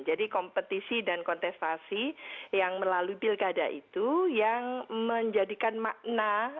jadi kompetisi dan kontestasi yang melalui pilkada itu yang menjadikan makna